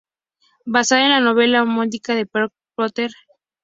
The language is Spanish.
Basada en la novela homónima de Katherine Anne Porter.